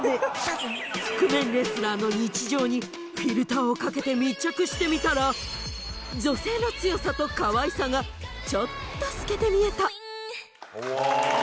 覆面レスラーの日常にフィルターをかけて密着してみたら女性の強さとかわいさがちょっと透けて見えた！